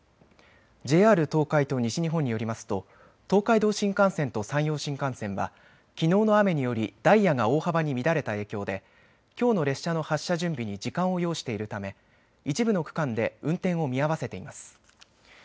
ＪＲ東海と西日本によりますと東海道新幹線と山陽新幹線はきのうの雨によりダイヤが大幅に乱れた影響できょうの列車の発車準備に時間を要しているため一部の区間で運転を見合わせています。